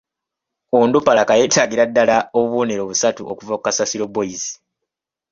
Onduparaka yeetagira ddala obubonero busatu okuva ku Kasasiro boys.